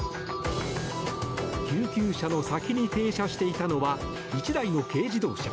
救急車の先に停車していたのは１台の軽自動車。